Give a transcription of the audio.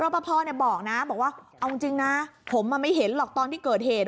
ปภบอกนะบอกว่าเอาจริงนะผมไม่เห็นหรอกตอนที่เกิดเหตุ